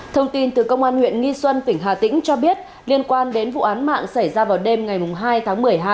thông tin từ công an huyện nghi xuân tỉnh hà tĩnh cho biết liên quan đến vụ án mạng xảy ra vào đêm ngày hai tháng một mươi hai